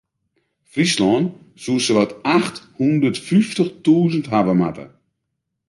Fryslân soe sawat acht hûndert fyftich tûzen hawwe moatte.